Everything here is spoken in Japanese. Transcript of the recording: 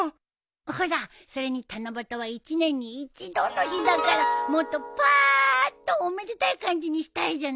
ほらそれに七夕は一年に一度の日だからもっとパーッとおめでたい感じにしたいじゃない？